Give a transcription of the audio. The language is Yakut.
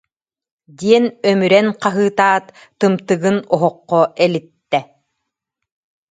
диэн өмүрэн хаһыытаат, тымтыгын оһоххо элиттэ